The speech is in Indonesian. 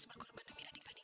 masih seperti dulu